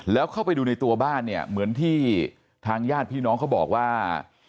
แล้วเข้าไปดูในตัวบ้านเนี่ยเหมือนที่ทางญาติพี่น้องเขาบอกว่า